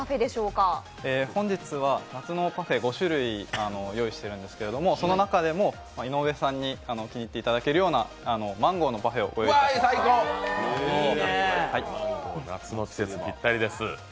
本日は夏のパフェ５種類ご用意してるんですけど、その中でも井上さんに気に入っていただけるようなマンゴーのパフェを召し上がっていただこうと思います。